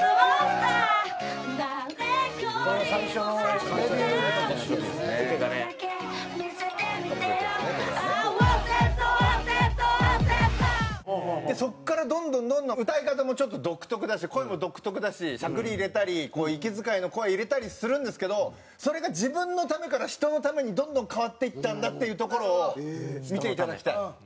「嗚呼、忘れそう忘れそう忘れそう」でそこからどんどんどんどん歌い方もちょっと独特だし声も独特だししゃくり入れたり息遣いの声入れたりするんですけどそれが自分のためから人のためにどんどん変わっていったんだっていうところを見ていただきたい。